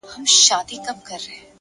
پوهه د انسان غوره ملګرې ده.!